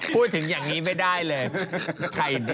พูดถึงอย่างนี้ไม่ได้เลย